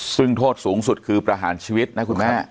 ซึ่งโทษสูงสุดคือประหารชีวิตนะคุณแม่